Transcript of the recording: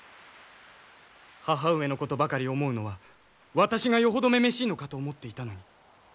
母上のことばかり思うのは私がよほど女々しいのかと思っていたのに。